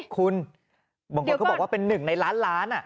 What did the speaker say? คุณบางคนก็บอกว่าเป็น๑ในล้านล้าน